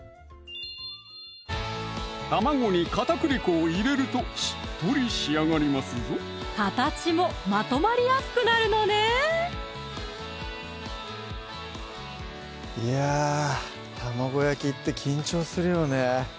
卵に片栗粉を入れるとしっとり仕上がりますぞ形もまとまりやすくなるのねいや卵焼きって緊張するよね